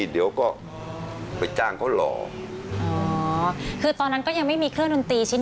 เดี๋ยวก็ไปจ้างเขาหล่ออ๋อคือตอนนั้นก็ยังไม่มีเครื่องดนตรีชิ้น